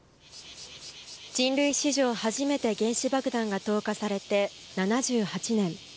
人類史上初めて原子爆弾が投下されて７８年。